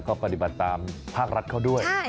ก็ปฏิบัติตามภาครัฐเขาด้วย